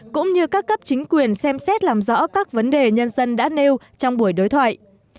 cũng như các cấp chính quyền xem xét làm rõ các vấn đề nhân dân đã nêu trong buổi đối thoại